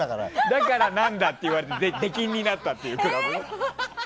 だから何だって言われて出禁になったっていう。